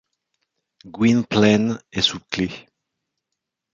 Gwynplaine est sous clef !